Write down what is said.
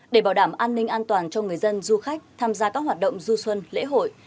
để bảo đảm an ninh an toàn cho người dân du khách tham gia các hoạt động du xuân lễ hội